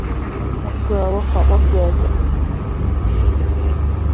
Mo kah fabo gaa gaa.